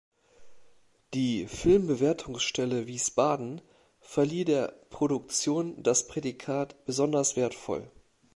Die Filmbewertungsstelle Wiesbaden verlieh der Produktion das Prädikat „besonders wertvoll“.